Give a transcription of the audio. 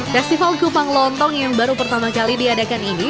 festival kupang lontong yang baru pertama kali diadakan ini